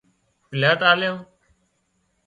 پلاٽ آليا